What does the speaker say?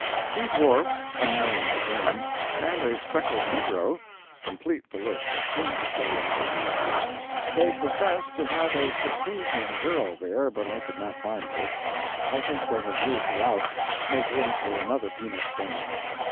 Two dwarfs, unknown to fame, and a speckled negro, complete the list of human curiosities. They profess to have a Circassian girl there, but I could not find her. I think they have moved her out, to make room for another peanut stand.